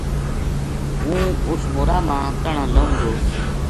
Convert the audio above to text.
ہوں اس مورا ما تہناں لہوں گو